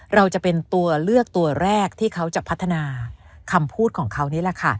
เราจะเป็นตัวเลือกตัวแรกที่เขาจะพัฒนาคำพูดของเขานี่แหละค่ะ